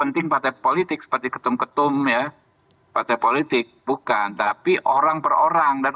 penting partai politik seperti ketum ketum ya partai politik bukan tapi orang per orang dan